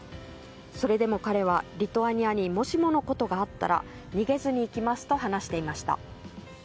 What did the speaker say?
それでも彼は、リトアニアにもしものことがあったら逃げずに行きますと話していました。